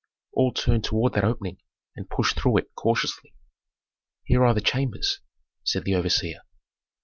All turned toward that opening and pushed through it cautiously. "Here are the chambers," said the overseer.